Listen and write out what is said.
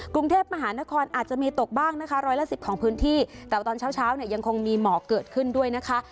กรุงเทพมหานครอาจจะมีตกบ้างนะคะร้อยละสิบของพื้นที่แต่ว่าตอนเช้าเช้าเนี่ยยังคงมีหมอกเกิดขึ้นด้วยนะคะ